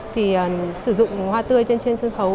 thì sử dụng hoa tươi trên sân khấu